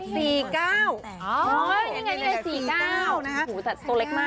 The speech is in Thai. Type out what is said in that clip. สี่เก้าอ๋อนี่ไงสี่เก้าสักเท่าเล็กมาก